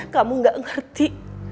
kamu gak ngerti